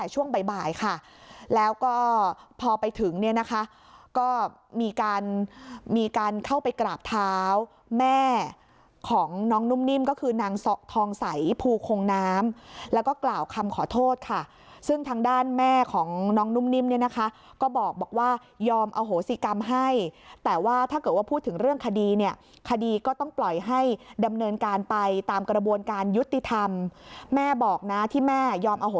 ช่วงบ่ายค่ะแล้วก็พอไปถึงเนี่ยนะคะก็มีการมีการเข้าไปกราบเท้าแม่ของน้องนุ่มนิ่มก็คือนางทองใสภูคงน้ำแล้วก็กล่าวคำขอโทษค่ะซึ่งทางด้านแม่ของน้องนุ่มนิ่มเนี่ยนะคะก็บอกว่ายอมอโหสิกรรมให้แต่ว่าถ้าเกิดว่าพูดถึงเรื่องคดีเนี่ยคดีก็ต้องปล่อยให้ดำเนินการไปตามกระบวนการยุติธรรมแม่บอกนะที่แม่ยอมอ